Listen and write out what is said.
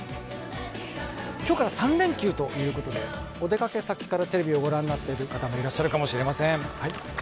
今日から３連休ということで、お出かけ先からテレビをご覧になっている方もいるかもしれません。